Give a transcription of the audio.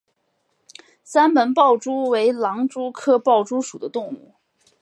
三门豹蛛为狼蛛科豹蛛属的动物。